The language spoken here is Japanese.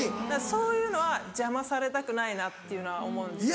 そういうのは邪魔されたくないなっていうのは思うんです。